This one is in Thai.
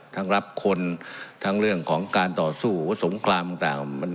ทั้งรับคนทั้งเรื่องของการต่อสู้สงครามต่างท๖๕๑๐๐๑